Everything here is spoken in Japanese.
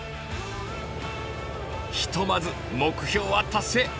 ひとまず目標は達成。